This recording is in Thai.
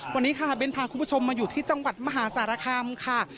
วันนี้ค่ะเบ้นพาคุณผู้ชมมาอยู่ที่จังหวัดมหาสารคามค่ะ